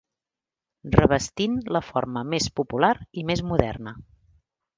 Revestint la forma més popular i més moderna.